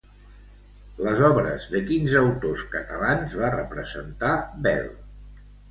Les obres de quins autors catalans va representar Bel?